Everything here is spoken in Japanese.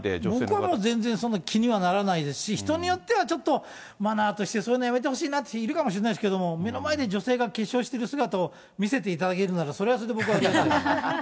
僕は全然気にはならないですし、人によってはちょっとマナーとしてそういうのやめてほしいなっていう人いるかもしれないですけど、目の前で女性が化粧してる姿を見せていただけるなら、それはそれで僕は。